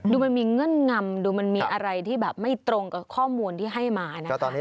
ดูมันมีเงื่อนงำดูมันมีอะไรที่แบบไม่ตรงกับข้อมูลที่ให้มานะคะ